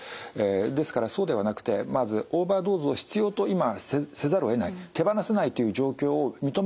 ですからそうではなくてまずオーバードーズを必要と今せざるをえない手放せないという状況を認めた上でですね